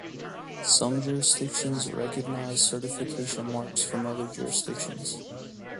Some jurisdictions recognise certification marks from other jurisdictions.